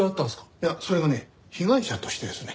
いやそれがね被害者としてですね。